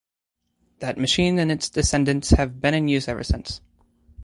That machine and its descendants have been in use ever since.